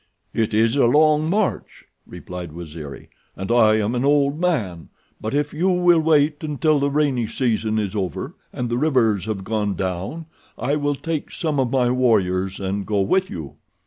"It is a long march," replied Waziri, "and I am an old man, but if you will wait until the rainy season is over and the rivers have gone down I will take some of my warriors and go with you."